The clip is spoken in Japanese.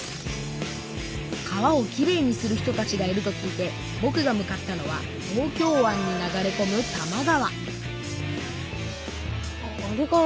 川をきれいにする人たちがいると聞いてぼくが向かったのは東京湾に流れこむ多摩川あっあれかな？